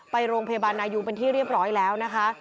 ไปโรงพยาบาลนายุเป็นที่เรียบร้อยแล้วนะคะ